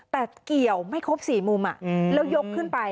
แต่เกี่ยวไม่ครบ๔มุมแล้วยกขึ้นไป